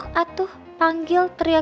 kalo kamu desire terus woman